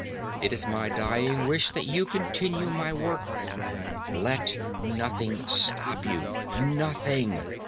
It is my dying wish that you continue my work. Let nothing stop you. Nothing.